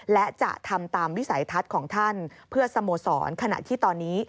และจะทำตามวิสัยทัศน์ของท่านเพื่อสโมสรขณะที่ตอนนี้